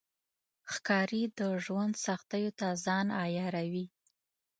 ښکاري د ژوند سختیو ته ځان عیاروي.